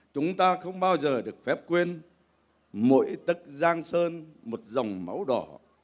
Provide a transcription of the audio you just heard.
chúng ta không bao giờ được phép quên mỗi tức giang sơn một dòng máu đỏ